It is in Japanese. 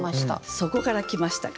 そこから来ましたか。